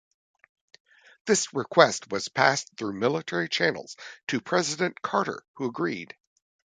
This request was passed through military channels to President Carter, who agreed.